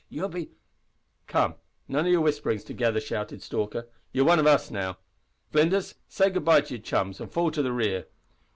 You'll be " "Come, none of your whisperin' together!" shouted Stalker. "You're one of us now, Flinders, so say goodbye to your old chums an' fall to the rear."